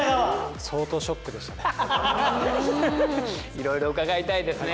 いろいろ伺いたいですね。